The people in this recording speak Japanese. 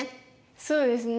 そうですね。